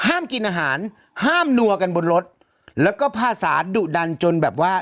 ห้ามกินอาหารห้ามนัวกันบนรถแล้วก็ภาษาดุดันจนแบบว่า